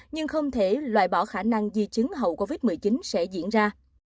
nhưng không thể loại bỏ khả năng di chứng hậu covid một mươi chín sẽ diễn ra